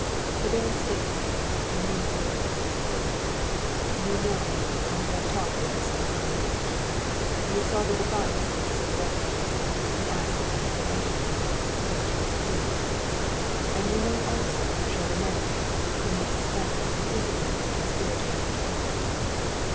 The Baron stated the case in these words: "You know and have talked with this man Armitage; you saw the device on the cigarette case; and asked an explanation, which he refused; and you know also Chauvenet, whom we suspect of complicity with the conspirators at home.